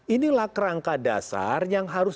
inilah kerangka dasar yang harus